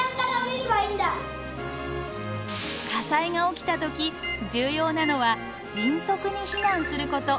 火災が起きた時重要なのは迅速に避難すること。